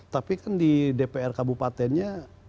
tapi kan di dpr kabupatennya